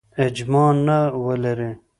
اجماع نه ولري.